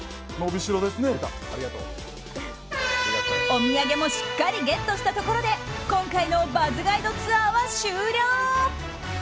お土産もしっかりゲットしたところで今回のＢｕｚｚガイドツアーは終了！